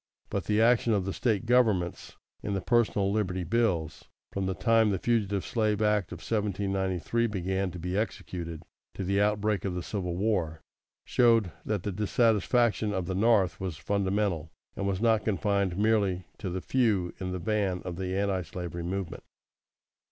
But the action of the State governments in the personal liberty bills, from the time the Fugitive Slave Act of 1793 began to be executed to the outbreak of the Civil War, showed that the dissatisfaction of the North was fundamental, and was not confined merely to the few in the van of the Antislavery movement.